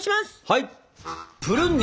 はい！